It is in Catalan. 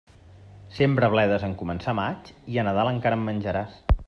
Sembra bledes en començar maig, i a Nadal encara en menjaràs.